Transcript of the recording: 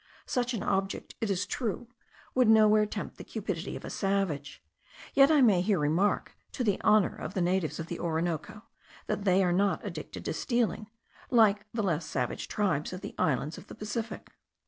Such an object, it is true, would nowhere tempt the cupidity of a savage; yet I may here remark, to the honor of the natives of the Orinoco, that they are not addicted to stealing, like the less savage tribes of the islands in the Pacific.